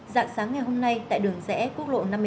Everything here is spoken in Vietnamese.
dạng sáng ngày hôm nay tại đường rẽ quốc lộ năm mươi tám